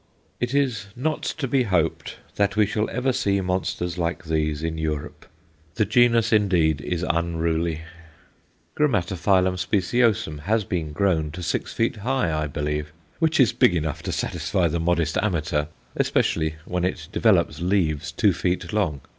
It is not to be hoped that we shall ever see monsters like these in Europe. The genus, indeed, is unruly. G. speciosum has been grown to six feet high, I believe, which is big enough to satisfy the modest amateur, especially when it develops leaves two feet long.